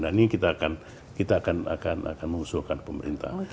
nah ini kita akan mengusulkan pemerintah